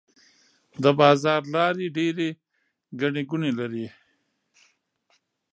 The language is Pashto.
د بازار لارې ډيرې ګڼې ګوڼې لري.